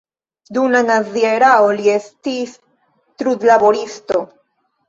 Dum la nazia erao li estis trudlaboristo.